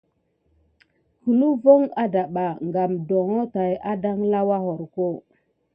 Kihule von adaba kam ɗoŋho tät adanka wuyarko.